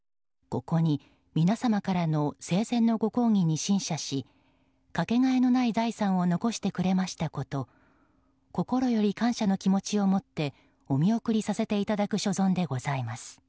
ここに皆様からの生前のご厚誼に深謝しかけがえのない財産を残してくれましたこと心より感謝の気持ちを持ってお見送りをさせていただく所存でございます。